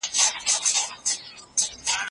سالم عادتونه د ژوند اوږدوالی زیاتوي.